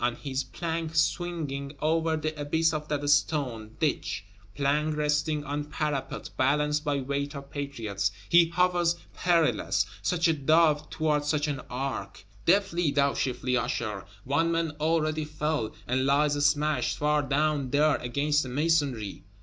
On his plank swinging over the abyss of that stone Ditch; plank resting on parapet, balanced by weight of Patriots, he hovers perilous; such a Dove toward such an Ark! Deftly, thou shifty Usher; one man already fell; and lies smashed, far down there, against the masonry!